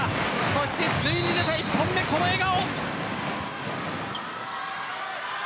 そしてついに出た１本目この笑顔。